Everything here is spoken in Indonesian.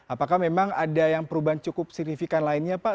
apakah memang ada yang perubahan cukup signifikan lainnya pak